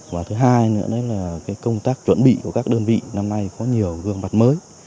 và thứ hai nữa là công tác chuẩn bị của các đơn vị năm nay có nhiều gương mặt mới